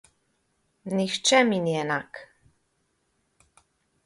Nihče mi ni enak.